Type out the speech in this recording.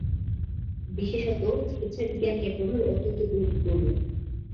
বিশেষত চিকিৎসাবিজ্ঞানে এর প্রভাব অত্যন্ত গুরুত্বপূর্ণ।